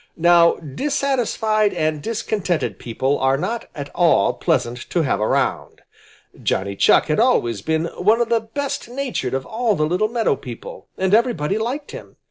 Now dissatisfied and discontented people are not at all pleasant to have around. Johnny Chuck had always been one of the best natured of all the little meadow people, and everybody liked him.